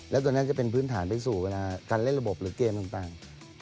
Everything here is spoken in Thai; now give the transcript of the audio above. แล้วตัวนั้นจะเป็นพื้นฐานไปสู่เวลาการเล่นระบบหรือเกมต่าง